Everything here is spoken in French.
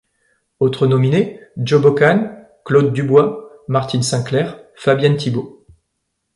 Autres nominés: Joe Bocan, Claude Dubois, Martine St-Clair, Fabienne Thibeault.